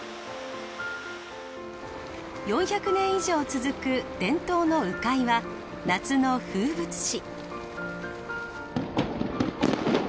４００年以上続く伝統の鵜飼は夏の風物詩。